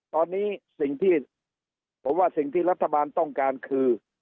ตอนนี้สิ่งที่ผมว่าสิ่งที่รัฐบาลต้องการคือ